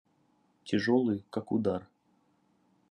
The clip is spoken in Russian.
Тяжелые, как удар.